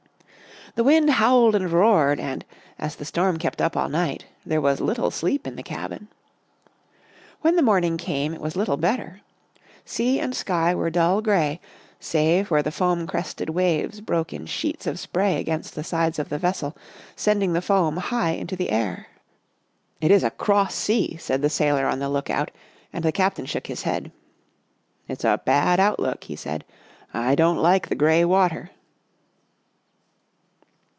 The wind howled and roared and, as the storm kept up all night, there was little sleep in the cabin. When the morning came it was lit tle better. Sea and sky were dull gray, save where the foam crested waves broke in sheets of spray against the sides of the vessel, sending the foam high into the air. " It is a cross sea," said the sailor on the look I THOUGHT PACIFIC MEANT PEACEFUL,' SAID FERGUS. Sailing to Sydney n out and the captain shook his head. " It's a bad outlook," he said. " I don't like the gray water."